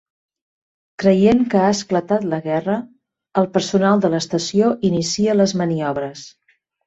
Creient que ha esclatat la guerra el personal de l'estació inicia les maniobres.